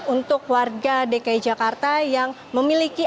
untuk warga dki jakarta yang memiliki